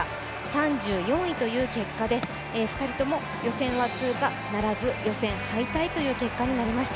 ３４位という結果で２人とも予選は通過ならず、予選敗退という結果になりました。